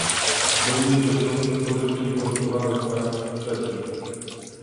Obejmuje to środki spożywcze importowane z państw trzecich